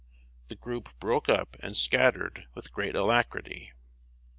The group broke up and scattered with great alacrity.